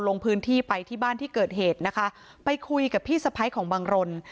ลงพื้นที่ไปที่บ้านที่เกิดเหตุนะคะไปคุยกับพี่สะพ้ายของบังรน